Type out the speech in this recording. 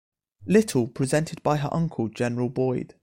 Little presented by her uncle General Boyd.